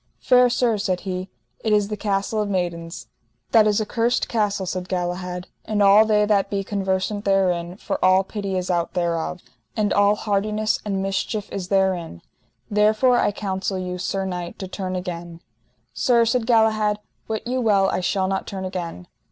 Fair sir, said he, it is the Castle of Maidens. That is a cursed castle, said Galahad, and all they that be conversant therein, for all pity is out thereof, and all hardiness and mischief is therein. Therefore, I counsel you, sir knight, to turn again. Sir, said Galahad, wit you well I shall not turn again.